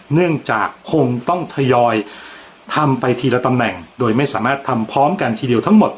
เนื่องจากคงต้องทยอยทำไปทีละตำแหน่งโดยไม่สามารถทำพร้อมกันทีเดียวทั้งหมด